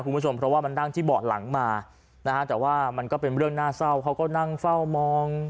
คุณผู้ชมเพราะว่ามันนั่งที่เบาะหลังมานะฮะแต่ว่ามันก็เป็นเรื่องน่าเศร้าเขาก็นั่งเฝ้ามอง